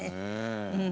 うん